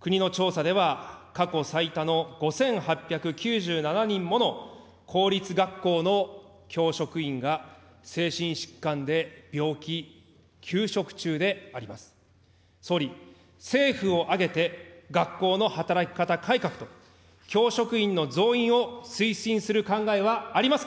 国の調査では、過去最多の５８９７人もの公立学校の教職員が精神疾患で病気休職中であります。総理、政府を挙げて学校の働き方改革と教職員の増員を推進する考えはありますか。